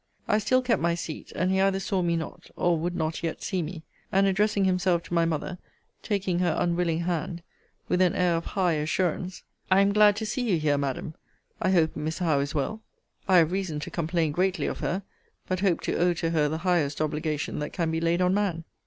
I still kept my seat, and he either saw me not, or would not yet see me; and addressing himself to my mother, taking her unwilling hand, with an air of high assurance, I am glad to see you here, Madam, I hope Miss Howe is well. I have reason to complain greatly of her: but hope to owe to her the highest obligation that can be laid on man.